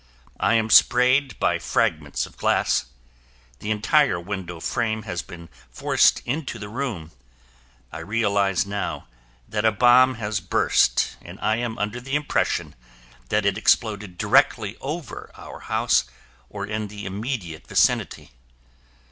I am sprayed by fragments of glass. The entire window frame has been forced into the room. I realize now that a bomb has burst and I am under the impression that it exploded directly over our house or in the immediate vicinity.